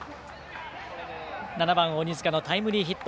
７番、鬼塚のタイムリーヒット。